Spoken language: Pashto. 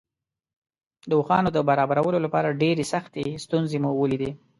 د اوښانو د برابرولو لپاره ډېرې سختې ستونزې مو ولیدې.